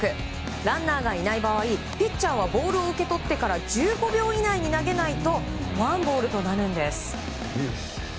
ランナーがいない場合ピッチャーはボールを受け取ってから１５秒以内に投げないとワンボールとなるんです。